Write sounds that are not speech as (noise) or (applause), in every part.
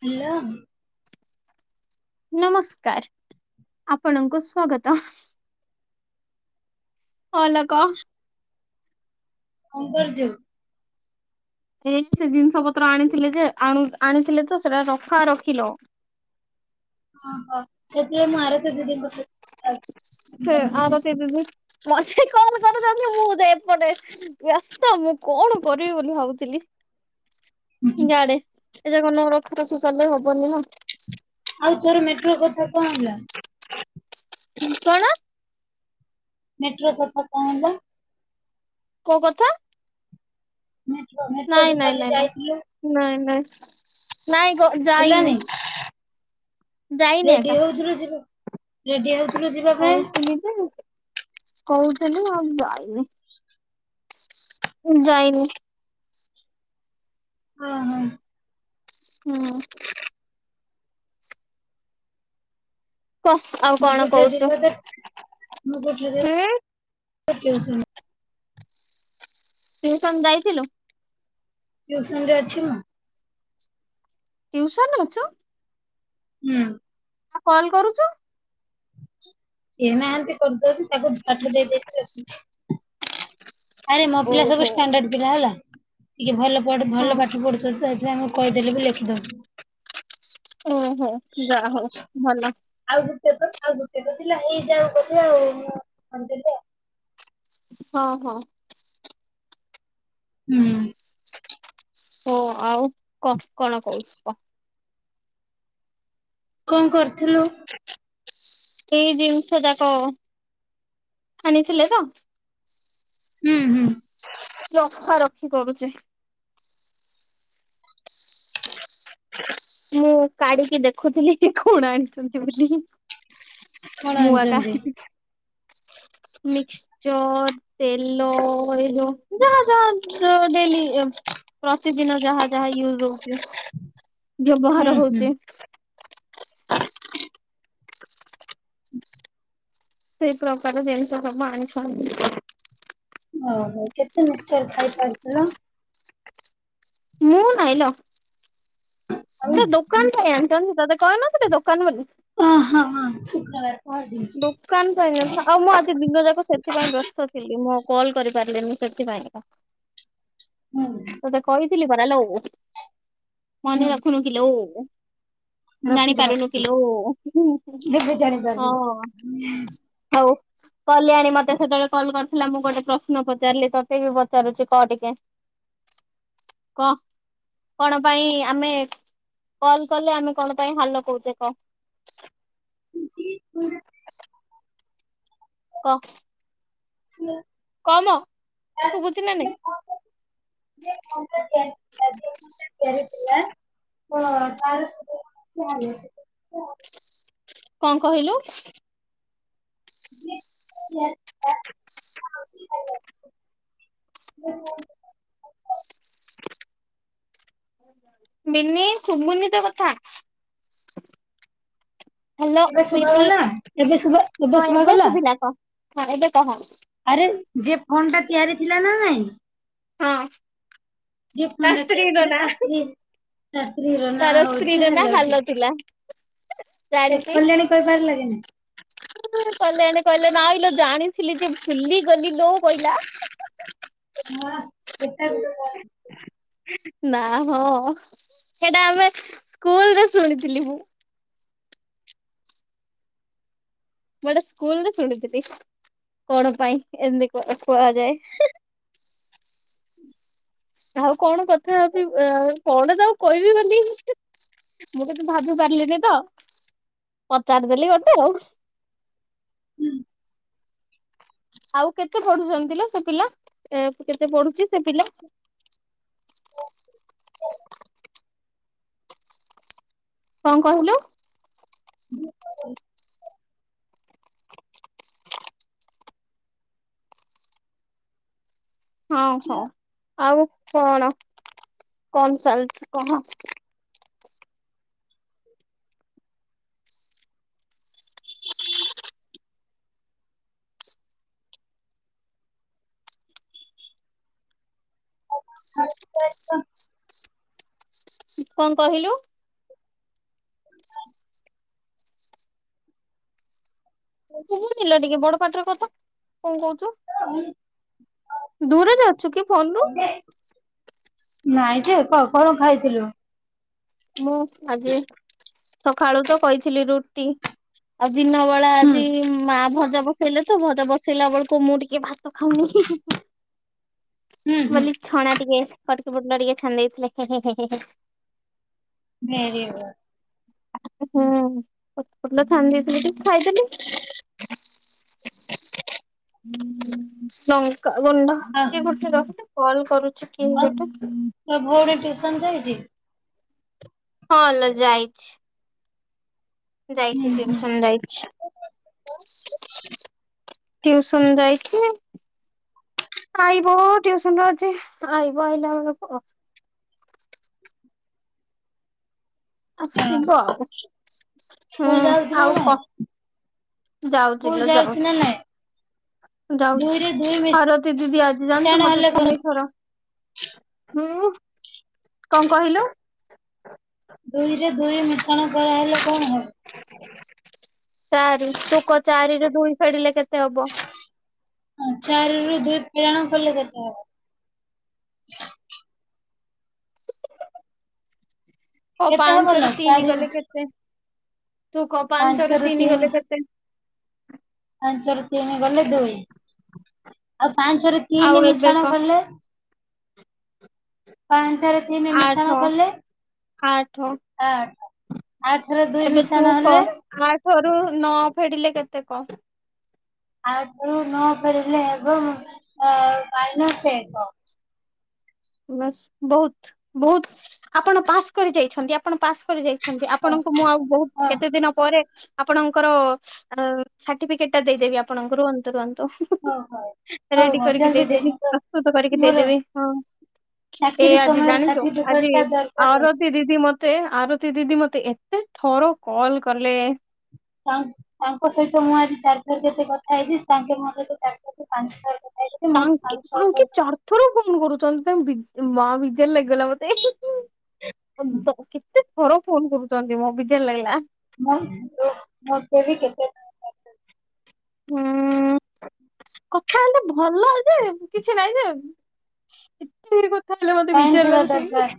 Hello. ନମସ୍କାର୍ ଆପଣଙ୍କୁ ସ୍ଵାଗତ। ଅଲ କ କଣ୍ କରୁଚୁ? ଏଇ ସେ ଜିନିଷ ପତ୍ର ଆଣିଥିଲେ ଯେ ଆଣୁ-ଆଣିଥିଲେ ତ ସେଟା ରଖା- ରଖିଲ। ଓହୋ ସେଥିପାଇଁ ମୁଁ ଆରତୀ ଦିଦିଙ୍କ ସହିତ କଥା। (unintelligible) ସେ ଆରତୀ ଦିଦି (inaudible) ବ୍ୟସ୍ତ ମୁଁ କଣ କରିବି ବୋଲି ଭାବୁଥିଲି। ଗାଡେ ଏ (unintelligible) ନ ରଖୁ ରଖୁ କଲେ ହବନି ନା। ଆଉ ତୋର ମେଟ୍ରୋ କଥା କଣ୍ ହେଲା? କଣ? ମେଟ୍ରୋ କଥା କଣ ହେଲା? କଉ କଥା? ମେଟ୍ରୋ -ନେ। ନାଇଁ- ନାଇଁ- ନାଇଁଲୋ ନାଇଁ -ନାଇଁ-ନାଇଁ ଗୋ ହେଲାନି ଯାଇନି। ଯାଇନି ରେଡି ଏକା। ହଉଥୁଲ ଯିବା-ରେଡି ହଉଥୁଲୁ ଯିବା ପାଇଁ ହଉଥିଲି ଯେ କହୁଥିଲି ଆଉ ଯାଇନି ଉଁ- ଯାଇନି। ଅ ହ। ହୁଁ। କହ୍ ଆଉ ମୁଁ କଣ କୋଠି ଅଛି କହୁଚୁ? କହ ତ ହୁଁ। ତା ଟ୍ୟୁସନ। ଟିଉସନ୍ ଯାଇଥିଲୁ? ଟିଉସନ୍ ରେ ଅଛି ମୁଁ। ଟିଉସନ୍ ରେ ଅଛୁ! ହୁଁ। ଆଉ କଲ୍ କରୁଛୁ? କିଏ ନାହାନ୍ତି। କରିଦଉଛି ତାକୁ ପାଠ ଦେଇ ଦେଇଛି ଲେଖୁଛି, ଆରେ ମୋ ପିଲା ସବୁ ଓହୋ ଷ୍ଟାଣ୍ଡାଡ ପିଲା ହେଲା, ଟିକେ ଭଲ ପଢ ହଁ ଭଲ ପାଠ ପଢୁଛନ୍ତି ତ ସେଥିପାଇଁ ମୁଁ କହିଦେଲେ ବି ଲେଖି ଦଉଛନ୍ତି। ଓହୋଃ, ଯା ହଉ ଭଲ। ଆଉ ଗୋଟେ ତ ଆଉ ଗୋଟେ ତ ଥିଲା ହେଇ ଯାଉ ବୋଲି ଆଉ ମୁଁ କହିଦେଲି ଆ ହଁ, ହଁ। ହୁଁ। ସୋ ଆଉ କହ, କଣ କହୁଛୁ କହ? କଣ କରୁଥିଲୁ? ଏଇ ଜିନିଷ ଯାକ ଆଣିଥିଲେ ତ। ହୁଁ, ହୁଁ। ରଖା ରଖି କରୁଛି। ମୁଁ କାଢିକି ଦେଖୁଥିଲି କି କଣ ଆଣିଛନ୍ତି ବୋଲି। କଣ ମୁଁ ଆକା ଆଣିଛନ୍ତି ମିକ୍ସଚର ତେଲ, ଏଇ ଯୋଉ ଯାହା ଯାହା ଯୋଉ ଡେଲି ପ୍ରତିଦିନ ଯାହା ଯାହା ୟୁଜ୍ ହଉଛି, ହୁଁ ବ୍ୟବହାର ହୁଁ। ହଉଛି। ସେଇ ପ୍ରକାର ଜିନିଷ ସବୁ ଆଣିଛନ୍ତି। ଓହୋଃ, କେତେ ମିକ୍ସଚର ଖାଇସାରିଥିଲ? ମୁଁ ନାଇଁଲୋ, ଆଉ ଏଟା ଦୋ କାନ ପାଇଁ ଆଣିଛନ୍ତି, ତତେ କହିନଥିଲି ଦୋକାନ ବୋଲି। ଓ ହଁ, ହଁ, ଶୁକ୍ରବାର ପହରଦିନ ଦୋକାନ ପାଇଁ ଜିନିଷ ଆଉ ମୁଁ ଆଜି ଦିନ ଯାକ ସେ ଥିପାଇଁ ବ୍ୟସ୍ତ ଥିଲି ମୁଁ ଆଉ କଲ୍ କରିପାରିଲିନି ସେଥିପାଇଁକା। ହୁଁ। ତତେ କହିଥିଲି ପରା ଲୋ, ମନେ ହୁଁ। ରଖୁନୁ କିଲୋ? ରଖିଛି ଜାଣିପାରୁନୁ ରଖିଛି କିଲୋ, ହୁଁ, ହୁଁ, ହୁଁ, ଏବେ ଜାଣିପାରିଲି। ହଁ, ହଉ। କଲ୍ୟାଣୀ ମତେ ସେତେବେଳେ କଲ୍ କରିଥିଲା ମୁଁ ଗୋଟେ ପ୍ରଶ୍ନ ପଚାରିଲି, ତୋତେ ବି ପଚାରୁଛିି କହ ଟିକେ। କହ? କଣ ପାଇଁ ଆମେ କଲ୍ କଲେ ଆମେ କଣ ପାଇଁ ହାଲୋ କହୁଛେ କହ? ଯିଏ ଯାହା ଆ (inaudible) କହ? ସିଆ କହମ ଶୁଭୁଛି ନା ନାଇଁ? (unintelligible) ଥିଲା ତ ତା ସ୍ତ୍ରୀର ନାଆ ଥିଲା ହାଲୋ। କଣ କହିଲୁ? ଯିଏ ଥିଲା (unintelligible) (unintelligible) (unintelligible) ବିିନି ଶୁଭୁନି ତୋ କଥା। ହାଲୋ ଏବେ ଶୁଭା ବିନି ଗଲା ଏବେ ଶୁଭା ହଁ ଶୁଭା ଏବେ ଗଲା ଶୁଭିଲା କହ ହଁ ଏବେ କହ। ଆରେ ଯିଏ ଫୋନ୍ ଟା ତିଆରି ଥିଲା ନା ନାଇଁ? ହଁ। ଯିଏ ଫଣ୍ଡା ତିଆରି କଲେ, ତା ସ୍ତ୍ରୀ ତା ସ୍ତ୍ରୀର ନାଁ ତାର ହଉଛି ସ୍ତ୍ରୀର ନା ହାଲ (unintelligible) ଥିଲା ଚେକ୍ କଲାଣି କହିପାରିଲା କି ନାଇଁ (unintelligible) କହିଲେ ଏଣେ କହିଲେ ନାଇଁ ଲୋ ଜାଣିଥିଲି ଯେ ବୁଲିଗଲି ଲୋ କହିଲା ହଁ, ସେଟା ବି (unintelligible) ନା ହଁ, ସେଇଟା ଆମେ ସ୍କୁଲରେ ଶୁଣିଥିଲି ମୁଁ। ମୁଁ ଏଇଟା ସ୍କୁଲରେ ଶୁଣୁଥିଲି, କଣ ପାଇଁ ଏମତି କୁଆ କୁହାଯାଏ? ଆଉ କଣ କଥା ହେବି ଆଉ କଣ ଯାଉ କହିବି ବୋଲି, ମୁଁ ତତେ ଭାବି ପାରିଲିନି ତ ପଚାରି ଦେଲି ଗୋଟେ ଆଉ। ଆଉ କେତେ ପଢୁଛନ୍ତି ଲୋ ସେ ପିଲା, କେତେ ପଢୁଛି ସେ ପିଲା? ଓ (unintelligible) କଣ କହିଲୁ? ହ (inaudible) ହଁଉ ହଁଉ। ଆଉ କଣ କଣ ଚାଲିଛି କଣ? (inaudible) ହଁ (unintelligible) (unintelligible) କଣ କହିଲୁ? କହୁଥିଲା ଟିକେ ବଡପାଟିରେ କହୁନୁ କଣ କହୁଛୁ? ଦୂରରେ ଅଛୁ କି ଫୋନରୁୁ? ନାଇଁ ଯେ, କହ କଣ ଖାଇଥିଲୁ? ମୁଁ ଆଜି, ସଖାଳୁ ତ କହିଥିଲି ରୁଟି। ଆଉ ଦିନ ବେଳା ହୁଁ ଆଜି, ମା ଭଜା ଭ ବସେଇଲେ ତ ଭଜା ବସେଇଲା ବେଳକୁ ମୁଁ ଟିକେ ଭାତ ଖାଉନି, ହି ହି, ହୁଁ ହୁଁ ବୋଲି ଛଣା ଟିକେ କଟକି ପୋଟଲ ଟିକେ ଛାଣି ଦେଇଥିଲେ, ହେଁ ହେଁ ହେ ହେ ହେ ଭେରି ଗୁଡ୍। ହୁଁ, ସବୁ ଭଲ ଥାଆନ୍ତି ବୋଲିକି ଖାଇଦେଲି। ଲଙ୍କା ଗୁଣ୍ଡ ଆଉ (unintelligible) ଗୋଟେ ରଖିଲ କଲ କରୁଛି କିଏ ଆଉ ଗୋଟେ? ତୋ ଭଉଣୀ ଟିଉସନ ଯାଇଚି? ହଁ ଲୋ, ଯାଇଛି। ହୁଁ ଯାଇଛି, ହୁଁ। ଟିଉସନ ଯାଇଛି। ଟ୍ୟୁସନ ଯାଇଚି ଆଇବ, ଟ୍ୟୁସନରୁ ଆଜି ଆଇବ ଆଇଲାବେଳକୁ ହଁ ଆସିବ ଆଉ। ହୁଁ, ସ୍କୁଲ ଯାଉଛି ନା ଆଉ ନାଇଁ? କ ଯାଉଛି ସ୍କୁଲ ଲୋ ନା ଯାଉଛି। ନାଇଁ? ଯାଉଛି, ଦୁଇରେ ଦୁଇ ସାରତି ଦିଦି ଆଜି ମିଶାଣ ଜାଣିଛୁ ମତେ ହେଲେ କଣ? ତିନିଥର ହୁଁ, କଣ କହିଲୁ? ଦୁଇରେ ଦୁଇ ମିଶ୍ରଣ କରାହେଲେ, କଣ ହେବ? ଚାରି। ତୁ କ ଚାରିରୁ ଦୁଇ ଫେଡିଲେ କେତେ ହବ? ଚାରିରୁ ଦୁଇ ଫେଡାଣ କଲେ କେତେ ହେବ? କ କେତେ ହବ ପାଞ୍ଚରୁ ଲୋ ତିନି ଚାରିରୁ ଗଲେ କେତେ? ତୁ କ ପାଞ୍ଚରୁ ତିନି ଗଲେ କେତେ? ପାଞ୍ଚରୁ ତିନି ଗଲେ ଦୁଇ। ଆଉ ପାଞ୍ଚରୁ ତିନି ଆଉ ଏବେ ମିଶାଣ କହ କଲେ ପାଞ୍ଚରେ ତିନି ମିଶାଣ ଆଠ କଲେ ଆଠ ଆଠ। ଆଠରେ ଦୁଇ ମିଶାଣ ହେଲେ? ଆଠରୁ ନ ଫେଡିଲେ କେତେ କ? ଆଠରୁ ନ ଫେଡ଼ିଲେ ହେବ, (unintelligible) ମାଇନସ ଏକ। ବାସ୍, ବହୁତ ବହୁତ। ଆପଣ ପାସ୍ କରି ଯାଇଛନ୍ତି, ଆପଣ ପାସ୍ କରି ଯାଇଛନ୍ତି। ହଁ ଆପଣଙ୍କୁ ମୁଁ ଆଉ ହଁ ବହୁତ କେତେ ଦିନ ପରେ ଆପଣଙ୍କର ସାର୍ଟିଫିକେଟ ଟା ଦେଇଦେବି ଆପଣଙ୍କର ତୁରନ୍ତ। ହଉ ହଉ ହଉ ରେଡି ହଉ କରିକି ଜଲଦି ଦେଇଦେବି ଦେଇଦିଅ। ପ୍ରସ୍ତୁତ କରିକି ମୋର ଦେଇଦେବି ହଁ। ଏ ଚାକିରି ଆଜି ସମୟରେ ଜାଣିଛ ଆଜି ସାର୍ଟିଫିକେଟ ଟା ଦରକାର ଆରତି ଅଛି। ଦିଦି ଦିଦି ମତେ ଆରତୀ ଦିଦି ମତେ ଏତେ ଥର କଲ କଲେ ତା ତାଙ୍କ ସହିତ ମୁଁ ଆଜି ଚାରି ଥର କେତେ କଥା ହେଇଛି। ତାଙ୍କେ ମୋ ସହିତ ଚାରିଥ ପାଞ୍ଚଥର କ ତାଙ୍କେ ତାଙ୍କେ ଚାର ଥର ଫୋନ୍ କରୁଛନ୍ତି ତାଙ୍କ ମା ବିଜାର ଲାଗିଗଲା ମତେ। ତ କେତେ ଥର ଫୋନ କରୁଛନ୍ତି ମ ବିଜାର ଲାଗିଲା। ମୁଁ ମତେ ବି କେତେ ହୁଁ (inaudible) କଥା ହେଲେ ଭଲ ଯେ କିଛି ନାଇଁ ଯେ କଥା ହେଲେ ମତେ ଟାଇମ୍ ବିଜାର ଥିବା ଲାଗୁଚି। (inaudible) ଦରକାର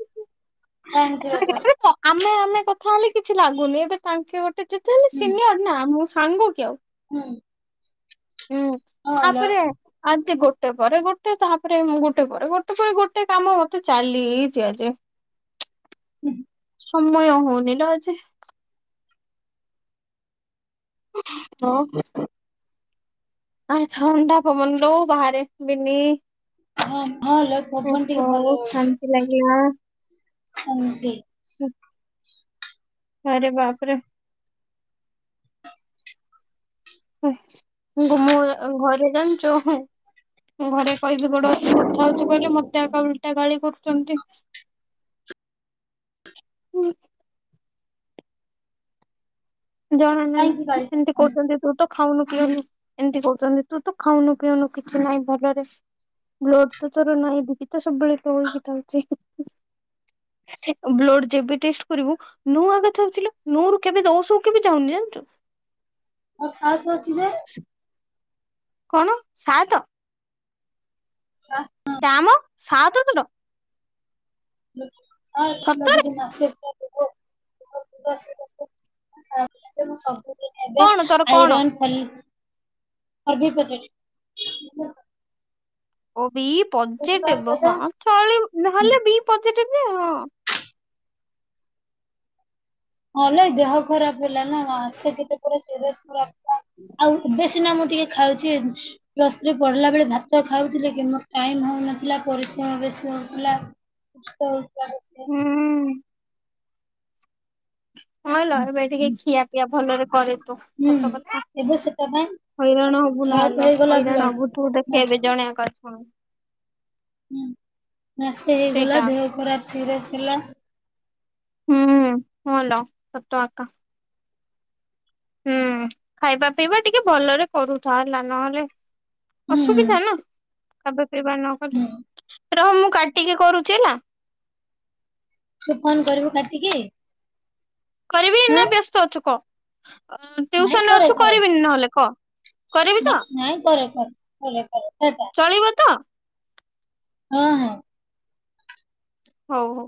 ଟାଇମ୍ ଥିବା ଦରକାର ଆମେ ଆମେ କଥା ହେଲେ କିଛି ଲାଗୁନି। ଏବେ ତାଙ୍କେ ଗୋଟେ ଯେତେ ହେଲେ ହୁଁ ସିନିୟର ନା ମୁଁ ସାଙ୍ଗ କି ଆଉ। ହୁଁ। ହୁଁ ହଁ ଲୋ ତାପରେ ଆଜି ଗୋଟେ ପରେ ଗୋଟେ ତାପରେ। ମୁଁ ଗୋଟେ ପରେ ଗୋଟେ ପରେ ଗୋଟେ କାମ ମତେ ଚାଲିଛି ଆଜି। ହୁଁ। ସମୟ ହଉନି ଲୋ ଆଜି। ହଁ। ଆହ ଥଣ୍ଡା ପବନ ଲୋ ବାହାରେ ବିିନି। ହଁ ହଁ ଲୋ ପବନ ଟିକେ ଭଲ ହଉଚି ଶାନ୍ତି ଶାନ୍ତି। ହୁଁ। ଆରେ ବାପରେ। (inaudible) ମୁଁ ଏ ଘରେ ଜାଣିଛ ହେଁ। ମୁଁ ଘରେ କହିବି ଗୋଡେ କଥା ହଉଚି କହିଲେ ମତେ ଏକା ଉଲଟା ଗାଳି କରୁଛନ୍ତି। ହ (inaudible) ହୁଁ। କାହିଁକି ଜଣାନାହିଁ ଗାଳି ଏମତି କରୁଛନ୍ତି କହୁଛନ୍ତି ତୁ ତ ଖାଉନୁ ପିଉନୁ ଏମିତି କହୁଛନ୍ତି। ତୁ ତ ଖାଉନୁ ପିଉନୁ କିଛି ନାହିଁ ଭଲରେ। ବ୍ଲଡ ତ ତୋର ନାହିଁ, ବିପି ତ ସବୁବେଳେ ଲୋ ହେଇକି ଥାଉଚି। ବ୍ଲଡ ଯେବେ ଟେଷ୍ଟ କରିବୁ ନୁ ଆଗଥରୁଚିଲ ମୋର କେବେ ଦଉଚୁ। କେବେ ଯାଉନି ଜାଣିଚୁ। ମୋର ସାତ ଅଛି ଯେ କଣ ସାତ। ସା ତାମ ସାଟ ଖଣ୍ଡ। ଁ ଆସେ ସତରେ (unintelligible) ଁ ସବୁ (unintelligible) ଏବେ କଣ ତୋର କଣ? ଆଇରନ୍ କଲି ପ୍ରଚ (unintelligible) ଓ ବି ବୁଝିପାରୁଛ ପଜେଟିଭ ତ? ହଁ ଚଳି ହୁଁ ନହେଲେ ବି ପଜେଟିଭ ଆଉ ହଁ। ନହଲେ ଦେହ ଖରାପ ହେଲା ନା ସେଠି କେତେଳେ ସିରିଏସ ପୁରା ଆଉ ଏବେ ସିନା ମୁଁ ଟିକେ ଖାଉଛି ପ୍ଲସ ଥ୍ରି ପଢିଲା ବେଳେ ଭାତ ଖାଉଥିଲି କିନ୍ତୁ ଟାଇମ ହଉନଥିଲା ପରିଶ୍ରମ ବେଶୀ ହଉଥିଲା।। ତ ତର ସେ (unintelligible) ହୁଁ। ହଁ ଲ ଏବେ ଟିକେ ଖିଆ ପିଆ ଭଲରେ କରେ ତୁ ହୁଁ ସତ କଥା ଏବେ ସେଟା ପାଇଁ ହଇରାଣ ହବୁ ସାଫ ନହେଲେ ହେଇଗଲା ହଇରାଣ ବ୍ଲଡ ହବୁ ତୁ ଦେଖେ ମାସ ଏବେ ଜଣେ କର୍ପଣ ହୁଁ ମାସେ ହେଇଗଲା ସେଇଟା ଦେହ ଖରାପ ସିରିଏସ ହେଲା। ହୁଁ ହଲ ସତ ଆକା। ହୁଁ ଖାଇବା ପିଇବା ଟିକେ ଭଲରେ କରୁଥା ହେଲା ନହେଲେ ହୁଁ ଅସୁବିଧାନା ଖାଇବା ପିଇବା ହୁଁ ନକଲେ ରହ ମୁଁ କାଟିକି କରୁଚି ହେଲା। ତୁ ଫୋନ୍ କରିବୁ କାଟିକି? କରିବି ହଁ ନା ବ୍ୟସ୍ତ ଅଛୁ କଅ ନାଇଁ ଟିୟୁସନରେ କରେ ଅଛୁ କରେ କରିବିନି ନହେଲେ କଅ? ନା ନାଇଁ କରେ କରେ କରେ କରେ କରଯା ଚଳିବତ? ହଁ ହଁ। ହଉ ହଉ।